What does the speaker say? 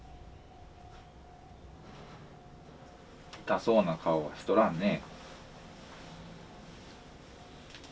痛そうな顔はしとらんね。